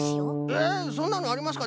えっそんなのありますか？